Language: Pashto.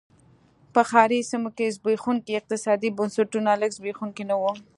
په ښاري سیمو کې زبېښونکي اقتصادي بنسټونه لږ زبېښونکي نه و.